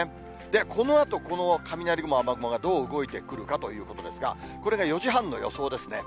このあとこの雷雲、雨雲がどう動いてくるかということですが、これが４時半の予想ですね。